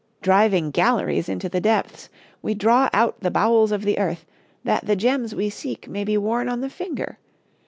Driving galleries into the depths, we draw out the bowels of the earth, that the gems we seek may be worn on the finger.